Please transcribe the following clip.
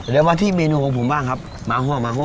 เดี๋ยวมาที่เมนูของผมบ้างครับมาห้อมาโฮ